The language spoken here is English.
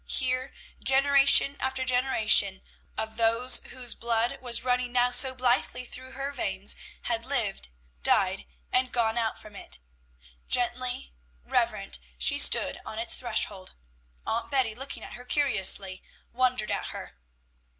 Here generation after generation of those whose blood was running now so blithely through her veins had lived, died, and gone out from it. Gently reverent she stood on its threshold. Aunt Betty, looking at her curiously, wondered at her.